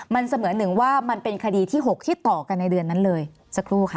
มันเสมือนหนึ่งว่ามันเป็นคดีที่๖ที่ต่อกันในเดือนนั้นเลยสักครู่ค่ะ